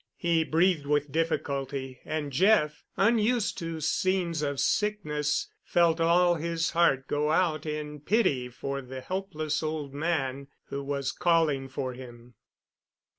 He breathed with difficulty, and Jeff, unused to scenes of sickness, felt all his heart go out in pity for the helpless old man who was calling for him.